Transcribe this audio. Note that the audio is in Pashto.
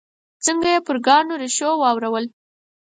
څنګه یې پر کاڼو ریشو واورول.